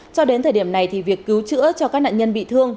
cho đến thời điểm này thì việc cứu chữa cho các nạn nhân bị thương